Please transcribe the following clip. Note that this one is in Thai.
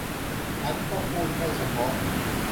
งั้นต้องพูดให้เฉพาะ